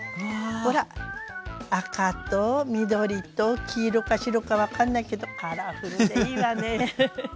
ほら赤と緑と黄色か白か分かんないけどカラフルでいいわね。